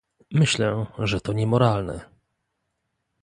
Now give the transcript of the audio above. Myślę, że to niemoralne